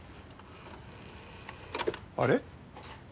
あれ？